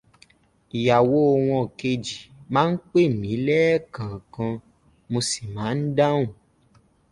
Ìyàwó wọn kejì máa ń pè mí lẹ́ẹ̀kọ̀ọ̀kan, mo sì máa ń dáhùn.